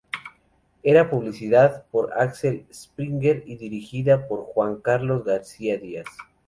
Era publicada por Axel Springer y dirigida por Juan Carlos García Díaz.